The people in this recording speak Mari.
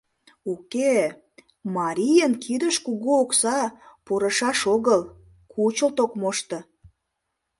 Уке-э, марийын кидыш кугу окса пурышаш огыл — кучылт ок мошто.